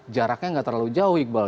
jaraknya nggak terlalu jauh iqbal